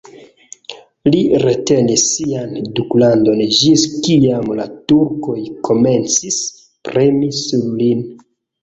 Li retenis sian duklandon ĝis kiam la turkoj komencis premi sur lin.